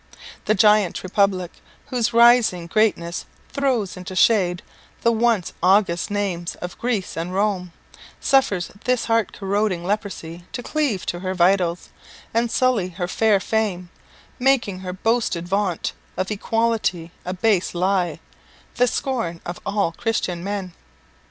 The giant republic, whose rising greatness throws into shade the once august names of Greece and Rome, suffers this heart corroding leprosy to cleave to her vitals, and sully her fair fame, making her boasted vaunt of equality a base lie the scorn of all Christian men.